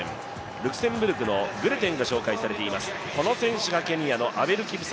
ルクセンブルクのグレテンが紹介されています。